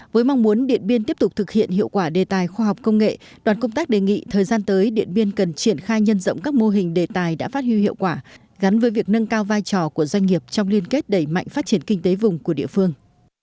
với mong muốn điện biên tiếp tục thực hiện hiệu quả đề tài khoa học công nghệ đoàn công tác đề nghị thời gian tới điện biên cần triển khai nhân rộng các mô hình đề tài đã phát hưu hiệu quả gắn với việc nâng cao vai trò của doanh nghiệp trong liên kết đẩy mạnh phát triển kinh tế vùng của địa phương